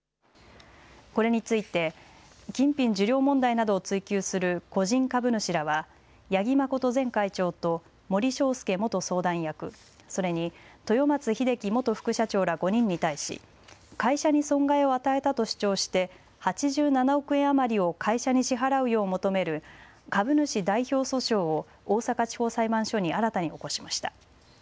これについて金品受領問題などを追及する個人株主らは八木誠前会長と森詳介元相談役、それに豊松秀己副社長ら５人に対し会社に損害を与えたと主張して８７億円余りを会社に支払うよう求める株主代表訴訟を大阪地方裁判所に新たに起こしました。